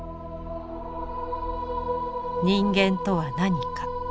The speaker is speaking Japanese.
人間とは何か？